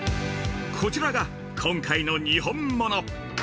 ◆こちらが今回のにほんもの。